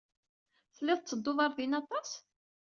Telliḍ tettedduḍ ɣer din aṭas?